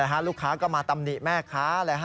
นี่แหละฮะลูกค้าก็มาตำหนิแม่ค้า